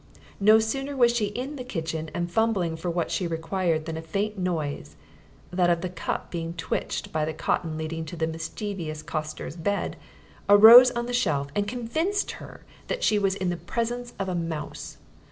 No sooner was she in the kitchen and fumbling for what she required than a faint noise that of the cup being twitched by the cotton leading to the mischievous coster's bed arose on the shelf and convinced her that she was in the presence of a mouse.